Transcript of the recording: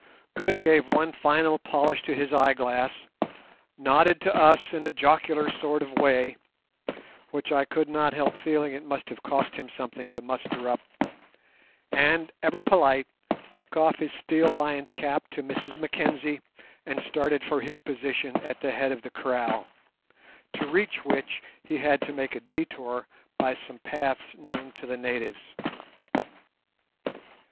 Good gave one final polish to his eyeglass, nodded to us in a jocular sort of way—which I could not help feeling it must have cost him something to muster up—and, ever polite, took off his steel lined cap to Mrs Mackenzie and started for his position at the head of the kraal, to reach which he had to make a detour by some paths known to the natives.